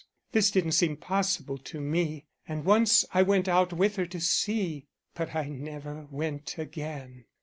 This didn't seem possible to me, and once I went out with her to see. But I never went again.